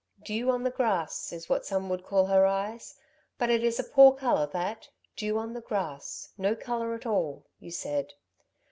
'Dew on the grass' is what some would call her eyes, but it is a poor colour, that dew on the grass no colour at all,' you said.